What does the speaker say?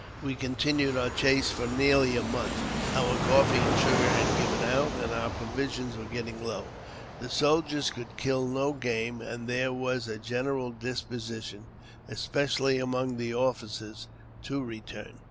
We continued our chase for nearly a month ; our coffee and sugar had given out, and our provisions were getting low ; the soldiers could kill no game, and there was a general disposition, especially among the officers, to return.